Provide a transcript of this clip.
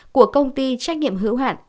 của công ty trách nhiệm hữu hạn